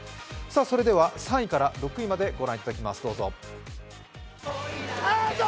それでは３位から６位までご覧いただきます、どうぞ。